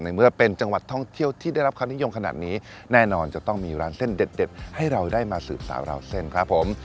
เมื่อเป็นจังหวัดท่องเที่ยวที่ได้รับความนิยมขนาดนี้แน่นอนจะต้องมีร้านเส้นเด็ดให้เราได้มาสืบสาวราวเส้นครับผม